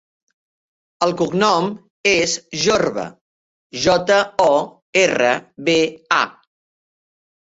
El cognom és Jorba: jota, o, erra, be, a.